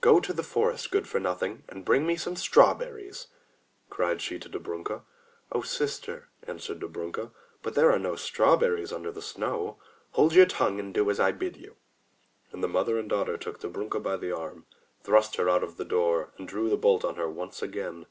"Go to the forest, good for nothing, and bring me some strawberries," cried she to Dobrunka. "O sister," answered Dobrunka, "but there are no straw berries under the snow." "Hold your tongue and do as I bid you." And the mother and daughter took Dobrunka by the arm, thrust her out of the door and drew the bolt on her once again.